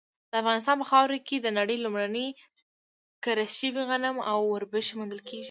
افغانستان په خاوره کې د نړۍ لومړني کره شوي غنم او وربشې موندل شوي